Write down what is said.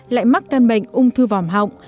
lại mắc căn bệnh ung thư vòm họng